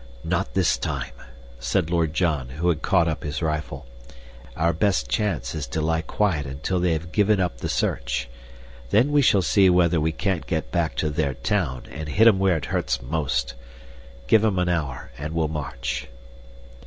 "Not this time," said Lord John, who had caught up his rifle. "Our best chance is to lie quiet until they have given up the search. Then we shall see whether we can't get back to their town and hit 'em where it hurts most. Give 'em an hour and we'll march."